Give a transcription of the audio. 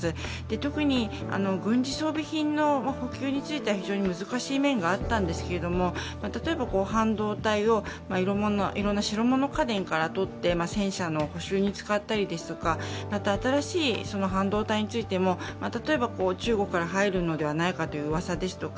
特に軍事装備品の補給については非常に難しい面があったんですけど、例えば半導体をいろんな白物家電からとって戦車の補修に使ったりですとか新しい半導体についても例えば中国から入るのではないかといったうわさですとか